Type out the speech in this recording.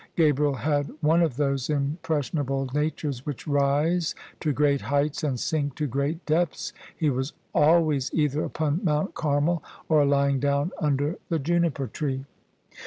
Gabriel had one of those impressionable natures which rise to great heights and sink to great depths : he was always either upon Mount Carmel or lying down under the juniper tree.